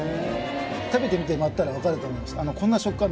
食べてみてもらったら分かると思います